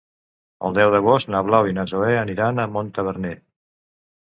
El deu d'agost na Blau i na Zoè aniran a Montaverner.